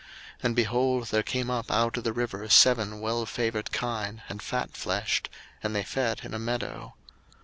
01:041:002 And, behold, there came up out of the river seven well favoured kine and fatfleshed; and they fed in a meadow.